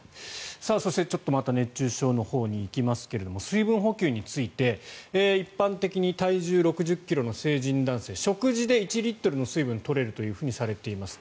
そしてまた熱中症のほうに行きますが水分補給について一般的に体重６０ｋｇの成人男性食事で１リットルの水分を取れるとされています。